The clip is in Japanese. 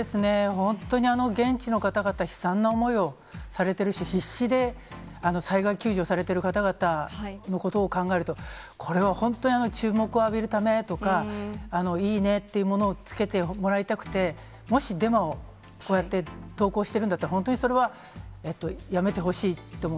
本当に現地の方々、悲惨な思いをされてるし、必死で災害救助されている方々のことを考えると、これは本当に注目を浴びるためとか、いいねっていうものをつけてもらいたくて、もしデマをこうやって投稿してるんだったら、本当にそれはやめてほしいと思う。